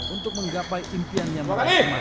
untuk menggapai impian yang menerima